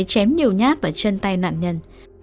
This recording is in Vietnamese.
chém nhiều nhát vào chân tay nạn nhân